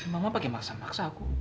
mama pakai maksa maksa aku